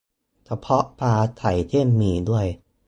กระเพาะปลาใส่เส้นหมี่ด้วย